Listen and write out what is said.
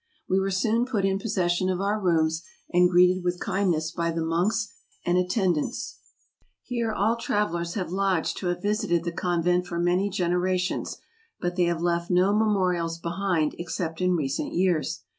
We were soon put in possession of our rooms, and greeted with kindness by the monks and attend¬ ants. ... Here all travellers have lodged who have visited the convent for many generations, but they have left no memorials behind except in recent years.